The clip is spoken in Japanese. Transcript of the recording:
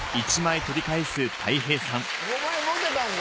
５枚持てたんだ。